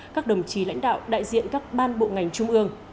các đồng chí lãnh đạo đại diện các ban bộ ngành trung ương